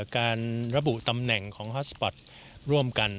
การระบุตำแหน่งของฮาสปอร์ตร่วมกัน